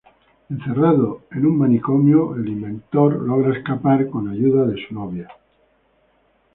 Encerrado en un manicomio, el inventor logra escapar con la ayuda de su novia.